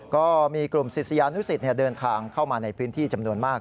ก็มีกลุ่มศิษยานุสิตเดินทางเข้ามาในพื้นที่จำนวนมาก